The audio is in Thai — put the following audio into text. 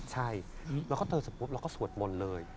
ใช่เราก็เติบเสร็จปุ๊บเราก็สวดบนเลย